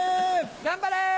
頑張れ！